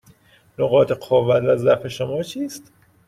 نقاط قوت و ضعف شما چیست؟